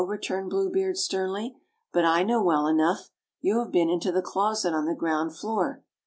returned Blue Beard sternly; "but I know well enough. You have been into the closet on the ground floor.